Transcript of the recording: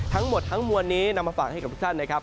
ทั้งหมดทั้งมวลนี้นำมาฝากให้กับทุกท่านนะครับ